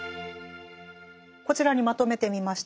こちらにまとめてみました。